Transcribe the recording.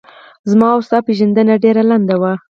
زما و ستا پیژندنه ډېره لڼده وه